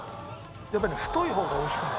やっぱりね太い方が美味しくない。